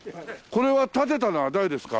これは建てたのは誰ですか？